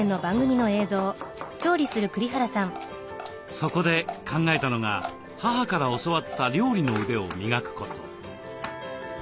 そこで考えたのが母から教わった料理の腕を磨くこと。